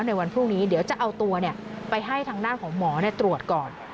ในวันพรุ่งนี้เดี๋ยวจะเอาตัวไปให้ทางด้านของหมอตรวจก่อน